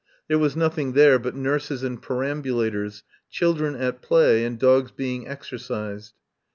There was nothing there but nurses and perambulators, children at play, and dogs being exercised.